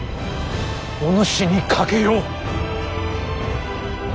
おぬしに賭けよう。